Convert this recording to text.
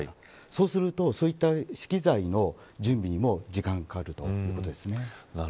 そうすると、そうした機材の準備にも時間がかかるということですね。